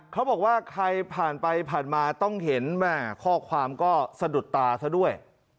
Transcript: เขาบอกว่าใครผ่านไปผ่านมาต้องเห็นแม่ข้อความก็สะดุดตาซะด้วย